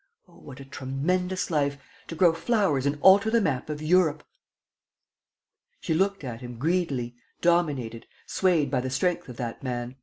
... Oh, what a tremendous life! To grow flowers and alter the map of Europe!" She looked at him greedily, dominated, swayed by the strength of that man.